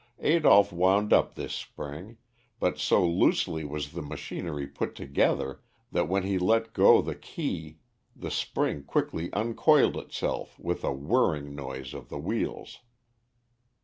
Adolph wound up this spring, but so loosely was the machinery put together that when he let go the key, the spring quickly uncoiled itself with a whirring noise of the wheels.